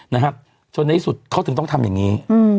นะครับจนในที่สุดเขาถึงต้องทำอย่างนี้